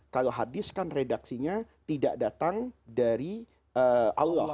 kalau hadis kan redaksinya tidak datang dari allah